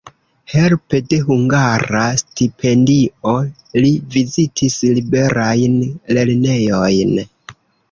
Helpe de hungara stipendio li vizitis liberajn lernejojn.